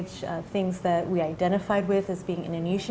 hal hal yang kita identifikasi sebagai indonesia